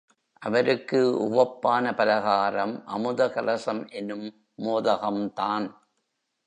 அவருக்கு உவப்பான பலகாரம் அமுதகலசம் என்னும் மோதகம் தான்.